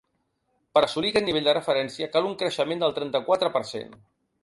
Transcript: Per a assolir aquest nivell de referència, cal un creixement del trenta-quatre per cent.